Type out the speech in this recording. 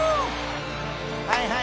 ［はいはい。